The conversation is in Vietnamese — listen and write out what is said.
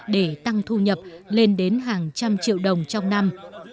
để tăng thu nhập lên đến hàng trăm triệu đồng trong năm